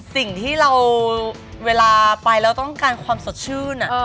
สิ่งที่เราเวลาไปแล้วต้องการความสดชื่น